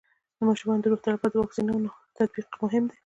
د ماشومانو د روغتیا لپاره د واکسینونو تطبیق مهم دی.